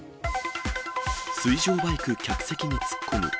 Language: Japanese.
水上バイク、客席に突っ込む。